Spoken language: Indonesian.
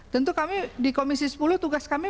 tentu kami di komisi sepuluh tugas kami